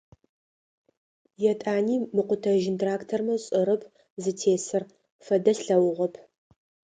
Етӏани мыкъутэжьын трактормэ сшӏэрэп зытесыр, фэдэ слъэгъугъэп.